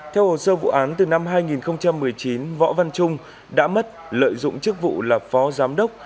theo hồ sơ vụ án từ năm hai nghìn một mươi chín võ văn trung đã mất lợi dụng chức vụ là phó giám đốc